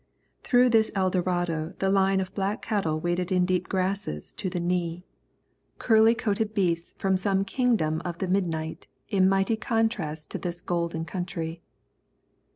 Through this Eldorado the line of black cattle waded in deep grasses to the knee, curly coated beasts from some kingdom of the midnight in mighty contrast to this golden country.